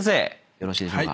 よろしいでしょうか。